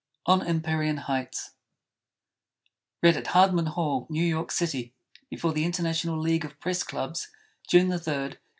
ON EMPYREAN HEIGHTS (Read at Hardman Hall, New York City, before the International League of Press Clubs, June 3, 1897.)